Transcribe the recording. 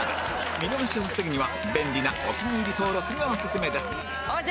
見逃しを防ぐには便利なお気に入り登録がおすすめです